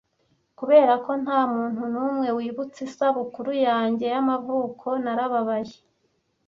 Kubera ko ntamuntu numwe wibutse isabukuru yanjye y'amavuko, narababaye.